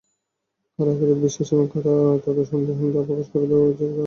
কারা আখিরাতে বিশ্বাসী এবং কারা তাতে সন্দিহান তা প্রকাশ করে দেওয়াই ছিল তার উদ্দেশ্য।